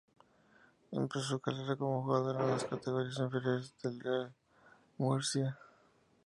Empezó su carrera como jugador en las categorías inferiores del Real Murcia.